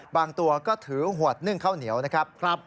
บางตัวก็ถือขวดนึ่งข้าวเหนียวนะครับ